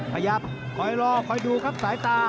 ขยับคอยรอคอยดูครับสายตา